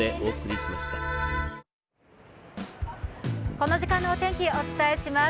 この時間のお天気、お伝えします。